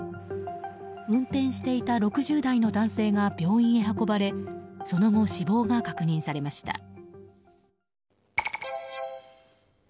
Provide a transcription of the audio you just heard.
運転していた６０代の男性が病院へ運ばれその後、死亡が確認されました。